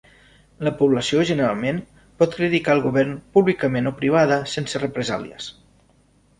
La població generalment pot criticar al govern públicament o privada sense represàlies.